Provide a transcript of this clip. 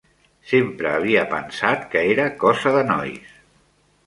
Sempre havia pensat que era cosa de nois.